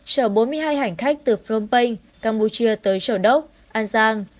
chở bốn mươi hai hành khách từ phnom penh campuchia tới châu đốc an giang